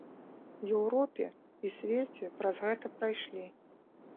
Еўропе і свеце праз гэта прайшлі.